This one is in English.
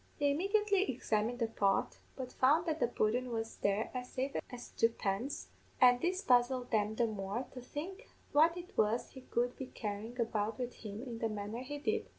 "They immediately examined the pot, but found that the pudden was there as safe as tuppence, an' this puzzled them the more, to think what it was he could be carryin' about wid him in the manner he did.